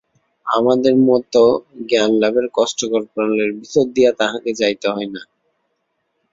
আমাদের মত জ্ঞানলাভের কষ্টকর প্রণালীর ভিতর দিয়া তাঁহকে যাইতে হয় না।